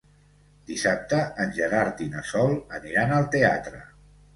Dissabte en Gerard i na Sol aniran al teatre.